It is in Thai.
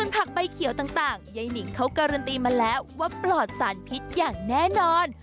ผักใบเขียวต่างยายนิงเขาการันตีมาแล้วว่าปลอดสารพิษอย่างแน่นอน